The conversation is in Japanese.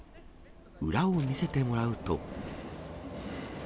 裏を見せてもらうと。